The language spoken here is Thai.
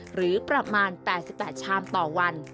หรือประมาณ๘๘ชามต่อวัน